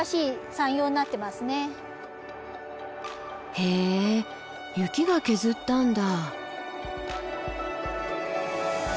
へえ雪が削ったんだ。